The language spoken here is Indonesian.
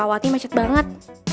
sekawati macet banget